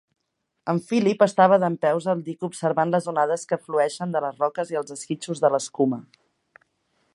En Philip estava dempeus al dic observant les onades que flueixen de les roques i els esquitxos de l'escuma.